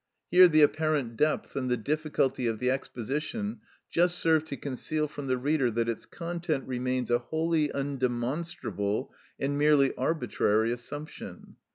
Here the apparent depth and the difficulty of the exposition just serve to conceal from the reader that its content remains a wholly undemonstrable and merely arbitrary assumption.